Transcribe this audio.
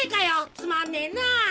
つまんねえな！